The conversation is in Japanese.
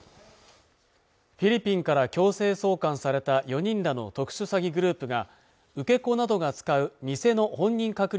フィリピンから強制送還された４人らの特殊詐欺グループが受け子などが使う偽の本人確認